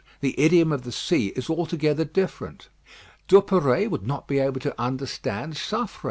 The idiom of the sea is altogether different. Duperré would not be able to understand Suffren.